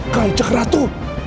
kau cek ratu